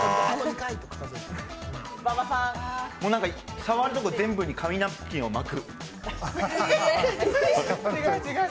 触るとこ全部に紙ナプキンをまく。